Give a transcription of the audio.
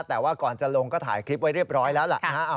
แต่ว่าก่อนจะลงก็ถ่ายคลิปไว้เรียบร้อยแล้วล่ะนะฮะ